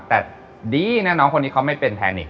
แต่ดีนะน้องคนนี้เขาไม่เป็นแทนิก